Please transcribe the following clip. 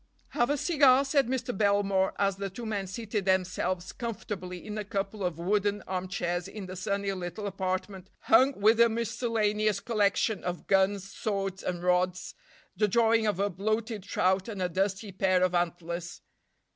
"Have a cigar?" said Mr. Belmore as the two men seated themselves comfortably in a couple of wooden armchairs in the sunny little apartment hung with a miscellaneous collection of guns, swords, and rods, the drawing of a bloated trout and a dusty pair of antlers.